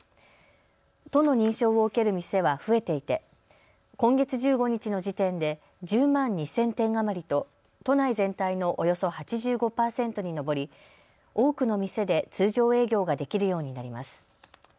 都の認証を受ける店は増えていて今月１５日の時点で１０万２０００店余りと都内全体のおよそ８５％に上り多くの店で通常営業ができるようになります。